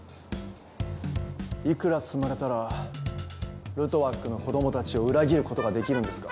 幾ら積まれたらルトワックの子供たちを裏切ることができるんですか？